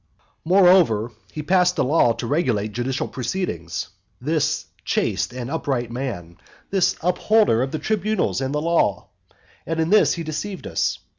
V. Moreover, he passed a law to regulate judicial proceedings, this chaste and upright man, this upholder of the tribunals and the law. And in this he deceived us.